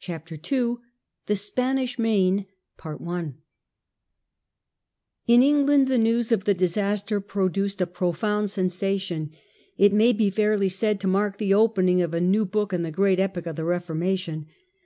CHAPTER n THE SPANISH MAIN In England the news of the disaster produced a pro found sensation. It may fairly be said to mark the opening of a new book in the great epic of the Eeforma tion.